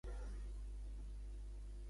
Destaca pels seus dots com a escalador.